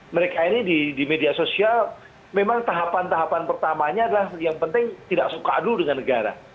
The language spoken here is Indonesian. mereka ini di media sosial memang tahapan tahapan pertamanya adalah yang penting tidak suka dulu dengan negara